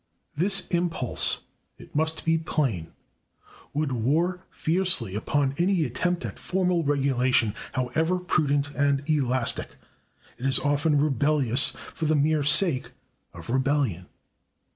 This impulse, it must be plain, would war fiercely upon any attempt at formal regulation, however prudent and elastic; it is often rebellious for the mere sake of rebellion.